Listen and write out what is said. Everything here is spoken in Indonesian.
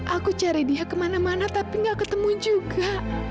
aku cari dia kemana mana tapi gak ketemu juga